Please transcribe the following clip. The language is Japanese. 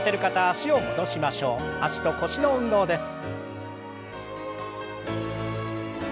脚と腰の運動です。